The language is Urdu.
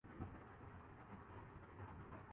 یقین رکھتا ہوں کہ قوانین کا سختی سے نفاذ کیا جانا چاھیے